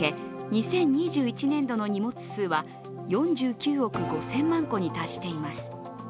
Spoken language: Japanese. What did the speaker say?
２０２１年度の荷物数は４９億５０００万個に達しています。